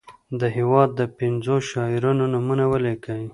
د هیواد د پنځو شاعرانو نومونه ولیکي.